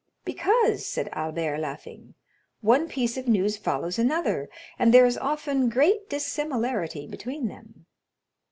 "Because," said Albert, laughing, "one piece of news follows another, and there is often great dissimilarity between them."